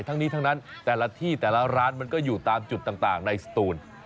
ทั้งนี้ทั้งนั้นแต่ละที่แต่ละร้านมันก็อยู่ตามจุดต่างในสตูน